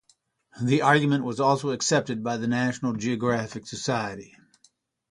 The argument was also accepted by the National Geographic Society.